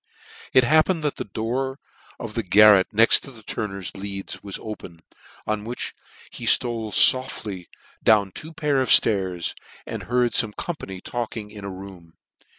It happened that the door of the garret next the turner's leads was open, on which he ftole foftiy down two pair of llairs, and heard fome company talking in a room.